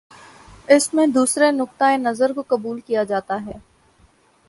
اس میں دوسرے نقطہ ہائے نظر کو قبول کیا جاتا ہے۔